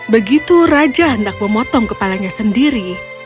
begitu raja hendak memotong kepalanya sendiri